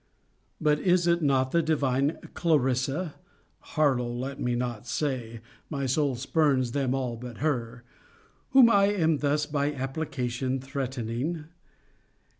] But is it not the divine CLARISSA [Harlowe let me not say; my soul spurns them all but her] whom I am thus by application threatening?